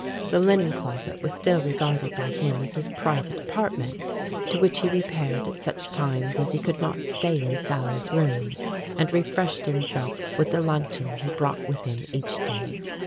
The linen closet was still regarded by him as his private apartment, to which he repaired at such times as he could not stay in Sally's room, and refreshed himself with the luncheon he brought with him each day.